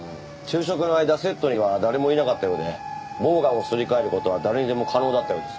昼食の間セットには誰もいなかったようでボウガンをすり替える事は誰にでも可能だったようです。